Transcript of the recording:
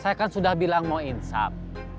saya kan sudah bilang mau insaf